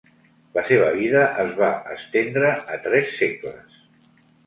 La seva vida es va estendre a tres segles.